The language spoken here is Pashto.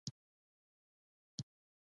فلم باید د ټولنې هر غړی په پام کې ونیسي